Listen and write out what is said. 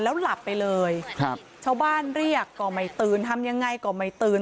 แล้วหลับไปเลยชาวบ้านเรียกก่อนไปตื่นทำยังไงก่อนไปตื่น